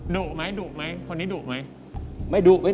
ดุไหมดุไหมคนนี้ดุไหม